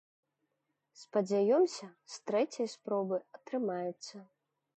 Спадзяёмся, з трэцяй спробы атрымаецца.